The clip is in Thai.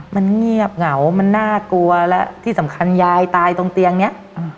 มันเงียบเหงามันน่ากลัวและที่สำคัญยายตายตรงเตียงเนี้ย